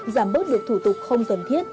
giảm bớt được thủ tục không khí